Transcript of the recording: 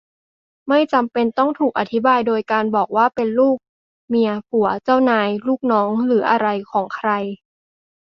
ไม่จำเป็นต้องถูกอธิบายโดยการบอกว่าเป็นลูก-เมีย-ผัว-เจ้านาย-ลูกน้องหรืออะไรของใคร